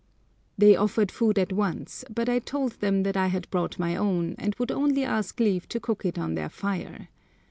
They offered food at once, but I told them that I had brought my own, and would only ask leave to cook it on their fire.